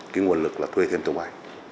cái nguồn lực là thuê thêm tàu bay